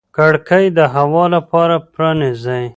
کړکۍ د هوا لپاره پرانیزئ.